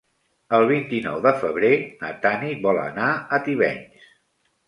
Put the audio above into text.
El vint-i-nou de febrer na Tanit vol anar a Tivenys.